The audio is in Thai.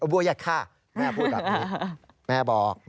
บัวใหญ่ข้าแม่พูดแบบนี้